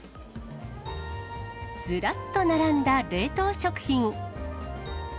ずらっと並んだ冷凍食品。